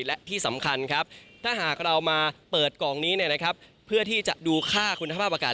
และที่สำคัญครับถ้าหากเรามาเปิดกล่องนี้เพื่อที่จะดูค่าคุณภาพอากาศ